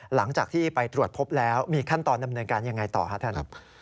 หลังจากที่ไปตรวจพบแล้วมีขั้นตอนดำเนินการยังไงต่อครับท่านครับ